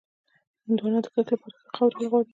هندوانه د کښت لپاره ښه خاوره غواړي.